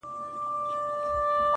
د زړه په كور كي دي بل كور جوړكړی.